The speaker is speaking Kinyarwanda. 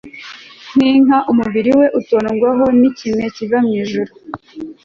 nk inka umubiri we utondwaho n ikime kiva mu ijuru